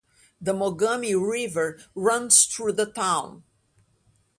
The Mogami River runs through the town.